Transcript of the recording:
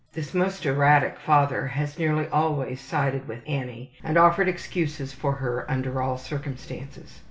This most erratic father has nearly always sided with Annie and offered excuses for her under all circumstances.